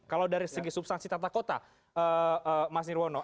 kalau dari segi substansi tata kota mas nirwono